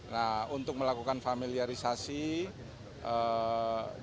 nah untuk melakukan familiarisasi dan sosialisasi lanjutan dalam rangka membuat masyarakat itu lebih mengenal